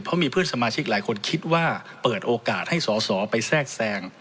เพราะมีเพื่อนสมาชิกหลายคนคิดว่าเปิดโอกาสให้สอสอไปแทรกแทรง